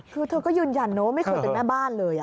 คือเธอก็ยืนยันเนอะไม่เคยเตะในหน้าบ้านเลย